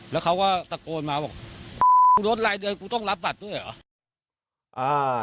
แล้วเขาก็ตะโกนมาบอกกูลดรายเดือนกูต้องรับบัตรด้วยเหรอ